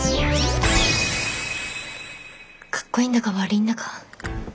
カッコいいんだか悪いんだか。